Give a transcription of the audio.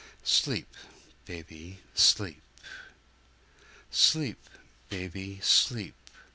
Sleep, baby, sleep! Sleep, baby, sleep!